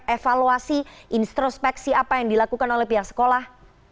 evaluasi introspeksi apa yang dilakukan oleh pihak sekolah